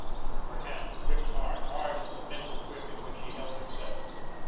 His hands gripped hard—hard as the mental grip in which he held himself.